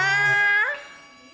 di dalam dompet oma